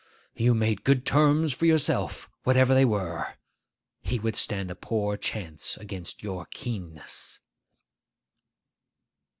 You made good terms for yourself, whatever they were. He would stand a poor chance against your keenness.